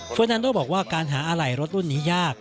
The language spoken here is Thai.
นานโดบอกว่าการหาอะไหล่รถรุ่นนี้ยาก